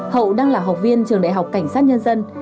hậu đang là học viên trường đại học cảnh sát nhân dân